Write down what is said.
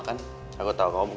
kayak ada yang dateng